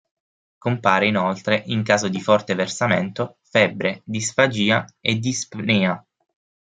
Compare inoltre, in caso di forte versamento febbre, disfagia e dispnea.